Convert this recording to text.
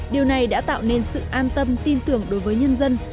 điều này đã tạo nên sự an tâm tin tưởng đối với nhân dân